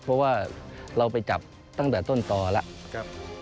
เพราะว่าเราไปจับตั้งแต่ต้นต่อแล้ว